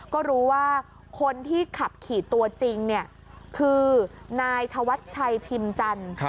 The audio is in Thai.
ก็รู้ว่าคนที่ขับขี่ตัวจริงคือนายธวัชชัยพิมพ์จันทร์